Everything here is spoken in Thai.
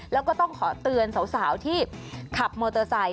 แล้วก็ต้องขอเตือนสาวที่ขับมอเตอร์ไซค